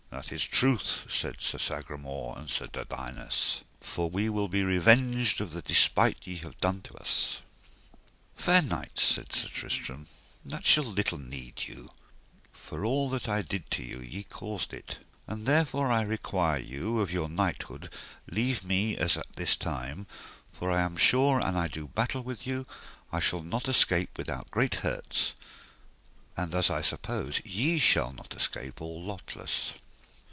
That is truth, said Sir Sagramore and Sir Dodinas, for we will be revenged of the despite ye have done to us. Fair knights, said Sir Tristram, that shall little need you, for all that I did to you ye caused it; wherefore I require you of your knighthood leave me as at this time, for I am sure an I do battle with you I shall not escape without great hurts, and as I suppose ye shall not escape all lotless.